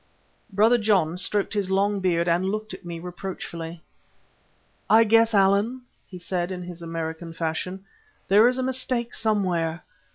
Brother John stroked his long beard and looked at me reproachfully. "I guess, Allan," he said in his American fashion, "there is a mistake somewhere.